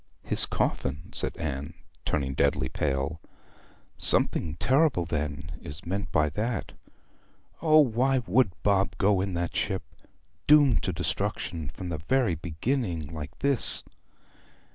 'His coffin!' said Anne, turning deadly pale. 'Something terrible, then, is meant by that! O, why would Bob go in that ship? doomed to destruction from the very beginning like this!'